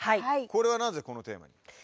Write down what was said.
これはなぜこのテーマに？